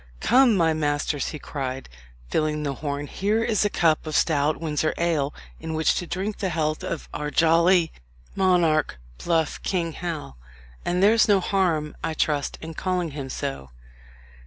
"Come, my masters!" he cried, filling the horn, "here is a cup of stout Windsor ale in which to drink the health of our jolly monarch, bluff King Hal; and there's no harm, I trust, in calling him so."